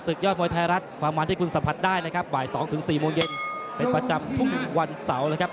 ยอดมวยไทยรัฐความมันที่คุณสัมผัสได้นะครับบ่าย๒๔โมงเย็นเป็นประจำทุกวันเสาร์นะครับ